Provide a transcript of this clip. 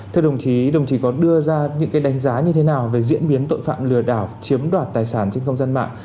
thưa đồng chí đồng chí có đưa ra những đánh giá như thế nào về diễn biến tội phạm lừa đảo chiếm đoạt tài sản trên không gian mạng